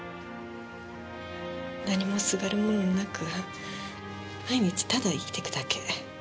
何もすがるものもなく毎日ただ生きていくだけ。